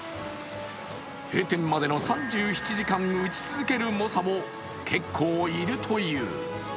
閉店までの３７時間打ち続ける猛者も結構いるという。